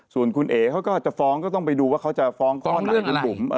ส่วนคุณเอ๋เขาก็จะฟ้องก็ต้องไปดูว่าเขาจะฟ้องข้อไหนคุณบุ๋ม